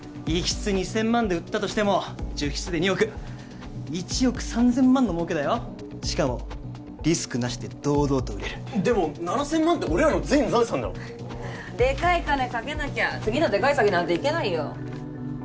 １室２０００万で売ったとしても１０室で２億１億３０００万の儲けだよしかもリスクなしで堂々と売れるでも７０００万って俺らの全財産だろデカい金かけなきゃ次のデカい詐欺なんていけないよ